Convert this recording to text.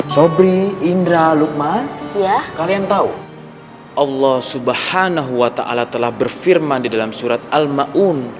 sobri indra lukman ya kalian tahu allah subhanahu wa ta'ala telah berfirman di dalam surat al ma'un